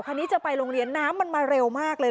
คันนี้จะไปโรงเรียนน้ำมันมาเร็วมากเลย